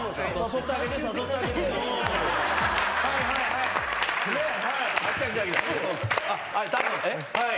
はいはい。